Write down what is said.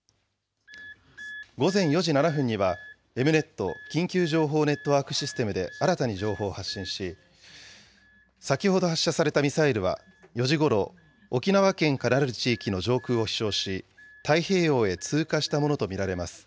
午前４時７分には、エムネット・緊急情報ネットワークシステムで新たに情報を発信し、先ほど発射されたミサイルは４時ごろ、沖縄県からなる地域の上空を飛しょうし、太平洋へ通過したものと見られます。